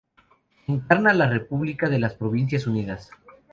Encarna la República de las Provincias Unidas.